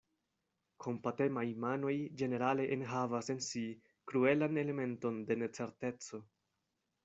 Kompatemaj manoj ĝenerale enhavas en si kruelan elementon de necerteco.